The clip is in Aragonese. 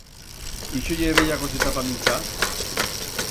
Ixo ye bella coseta pa minchar?